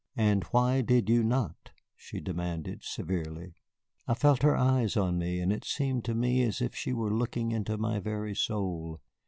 "And why did you not?" she demanded severely. I felt her eyes on me, and it seemed to me as if she were looking into my very soul.